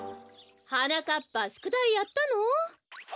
はなかっぱしゅくだいやったの？